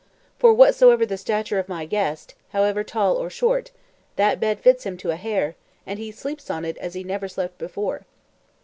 For whatsoever the stature of my guest, however tall or short, that bed fits him to a hair, and he sleeps on it as he never slept before."